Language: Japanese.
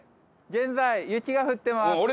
現在、雪が降ってます。